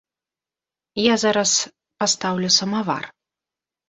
Я зараз пастаўлю самавар.